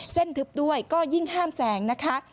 ทึบด้วยก็ยิ่งห้ามแสงนะคะ